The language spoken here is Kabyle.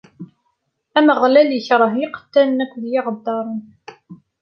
Ameɣlal ikreh iqettalen akked yiɣeddaren.